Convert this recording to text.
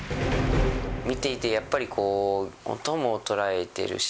見ていてやっぱり、音も捉えてるし。